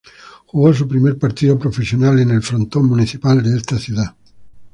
Jugó su primer partido profesional en el frontón Municipal de esta ciudad.